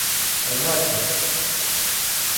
ez naçim